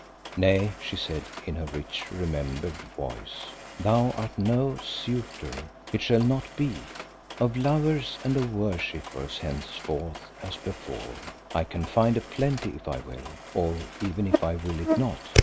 "Nay," she said, in her rich, remembered voice, "thou art no suitor; it shall not be. Of lovers and worshippers henceforth as before, I can find a plenty if I will, or even if I will it not.